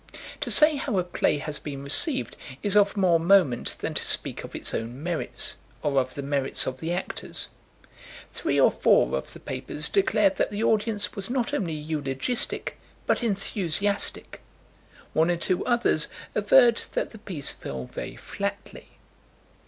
To say how a play has been received is of more moment than to speak of its own merits or of the merits of the actors. Three or four of the papers declared that the audience was not only eulogistic, but enthusiastic. One or two others averred that the piece fell very flatly.